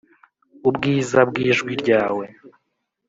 ubwiza bw'ijwi ryawe.